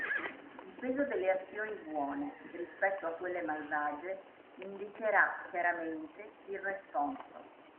Il peso delle azioni buone rispetto a quelle malvagie indicherà chiaramente il responso.